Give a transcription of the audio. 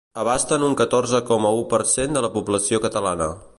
Abasten un catorze coma u per cent de la població catalana.